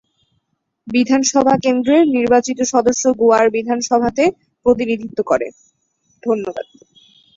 বিধানসভা কেন্দ্রের নির্বাচিত সদস্য গোয়ার বিধানসভাতে প্রতিনিধিত্ব করে।